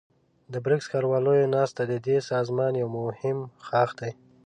د بريکس ښارواليو ناسته ددې سازمان يو مهم ښاخ دی.